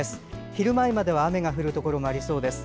昼前までは雨が降るところもありそうです。